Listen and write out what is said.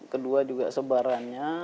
kedua juga sebarannya